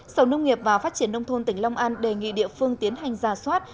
sở nông nghiệp và phát triển nông thôn tỉnh long an đề nghị địa phương tiến hành giả soát